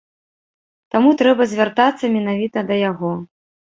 Таму трэба звяртацца менавіта да яго.